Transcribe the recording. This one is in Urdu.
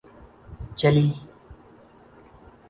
چلی